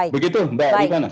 begitu mbak ari gimana